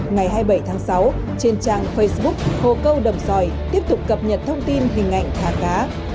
ngày hai mươi bảy tháng sáu trên trang facebook hồ câu đầm sòi tiếp tục cập nhật thông tin hình ảnh thả cá